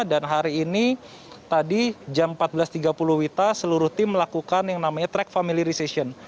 dan hari ini tadi jam empat belas tiga puluh wita seluruh tim melakukan yang namanya track familiarization